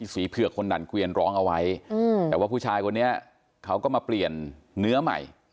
เผือกคนดันเกวียนร้องเอาไว้แต่ว่าผู้ชายคนนี้เขาก็มาเปลี่ยนเนื้อใหม่